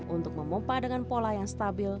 untuk memompa dengan pola yang stabil